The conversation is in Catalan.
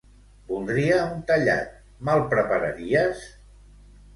Voldria un tallat, me'l prepararies?